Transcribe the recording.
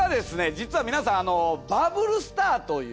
実は皆さんバブルスターという。